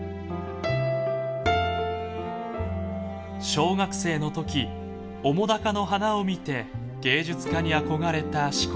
小学生の時おもだかの花を見て芸術家に憧れた志功。